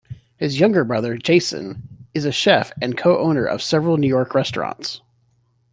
His younger brother, Jason, is a chef and co-owner of several New York restaurants.